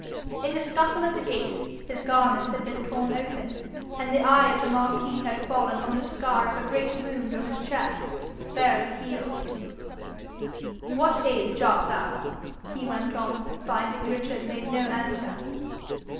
In the scuffle at the gate, his garment had been torn open, and the eye of the marquis had fallen on the scar of a great wound on his chest, barely healed. 'What age art thou?' he went on, finding Richard made no answer.